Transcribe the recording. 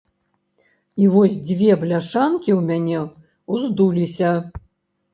І вось дзве бляшанкі ў мяне ўздуліся!